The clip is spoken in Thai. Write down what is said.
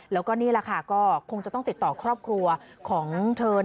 แล้วก็นี่แหละค่ะก็คงจะต้องติดต่อครอบครัวของเธอ